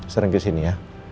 sering kesini ya